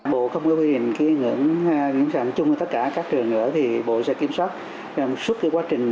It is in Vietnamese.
bộ không có quyền cái ngưỡng nghiêm sản chung với tất cả các trường nữa thì bộ sẽ kiểm soát suốt cái quá trình